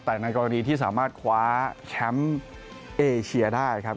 แต่ในกรณีที่สามารถคว้าแชมป์เอเชียได้ครับ